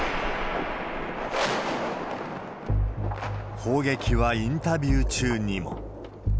砲撃はインタビュー中にも。